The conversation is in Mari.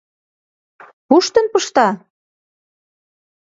Пуштын пышта?..